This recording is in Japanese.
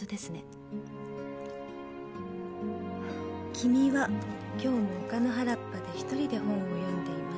「君は今日も丘の原っぱで１人で本を読んでいましたね」